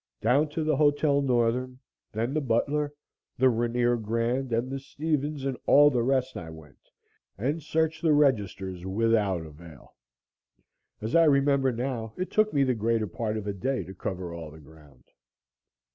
Down to the Hotel Northern, then the Butler, the Rainier Grand and the Stevens and all the rest I went and searched the registers without avail. As I remember now, it took me the greater part of a day to cover all the ground.